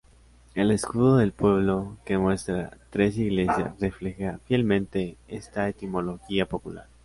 El escudo del pueblo, que muestra tres iglesias, refleja fielmente esta etimología popular.